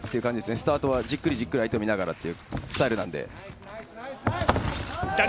スタートはじっくりじっくり相手を見ながらというスタイルなので。